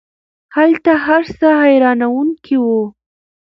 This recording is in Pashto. هلته هر څه حیرانوونکی وو.